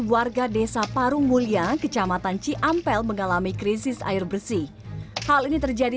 warga desa parung mulia kecamatan ciampel mengalami krisis air bersih hal ini terjadi